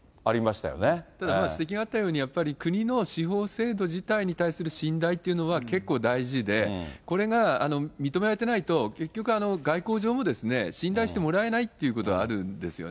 ただ指摘があったように、国の司法制度自体に対する信頼というのは、結構大事で、これが認められてないと、結局、外交上も信頼してもらえないということはあるんですよね。